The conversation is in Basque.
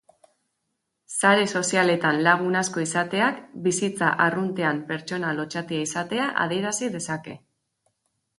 Sare sozialetan lagun asko izateak, bizitza arruntean pertsona lotsatia izatea adierazi dezake.